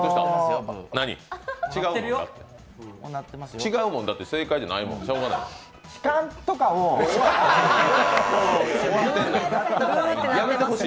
違うもん、だって正解じゃないもんしょうがない。